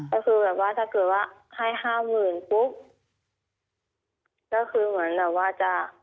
ก็คือแบบว่าถ้าเกิดว่าให้ห้าหมื่นปุ๊บก็คือเหมือนแบบว่าจะ